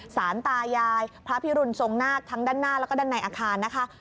สารตายายพระพิรุณทรงนาคทั้งด้านหน้าแล้วก็ด้านในอาคารนะคะ